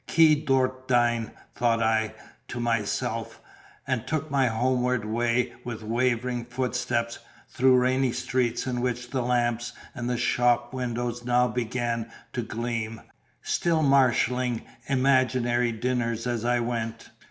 "Qui dort dine," thought I to myself; and took my homeward way with wavering footsteps, through rainy streets in which the lamps and the shop windows now began to gleam; still marshalling imaginary dinners as I went.